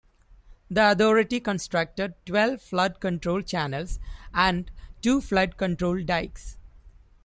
The Authority constructed twelve flood control channels and two flood control dykes.